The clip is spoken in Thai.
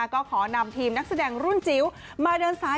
ก็ขอนำทีมนักแสดงรุ่นจิ๋วมาเดินสาย